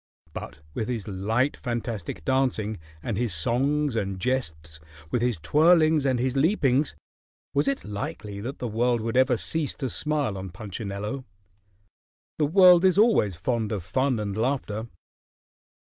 But with his light, fantastic dancing, and his songs and jests, with his twirlings and his leapings, was it likely that the world would ever cease to smile on Punchinello? The world is always fond of fun and laughter.